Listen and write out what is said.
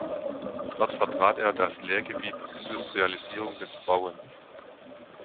Dort vertrat er das Lehrgebiet „Industrialisierung des Bauens“.